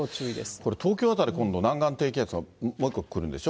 これ、東京辺り、南岸低気圧がもう一個来るんでしょ？